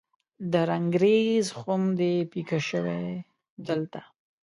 د رنګریز خم دې پیکه شوی دلته